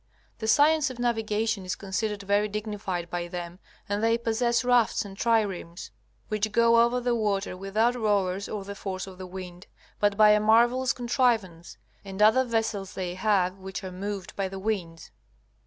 The science of navigation is considered very dignified by them, and they possess rafts and triremes, which go over the waters without rowers or the force of the wind, but by a marvellous contrivance. And other vessels they have which are moved by the winds.